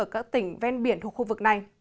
ở các tỉnh ven biển thuộc khu vực này